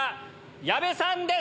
矢部さんです。